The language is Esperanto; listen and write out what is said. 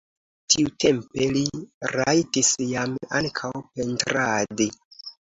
Tiutempe li rajtis jam ankaŭ pentradi.